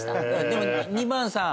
でも２番さん。